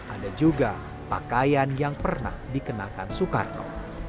ada juga pakaian yang pernah dikenakan soekarno